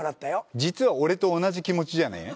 実は俺と同じ気持ちじゃね？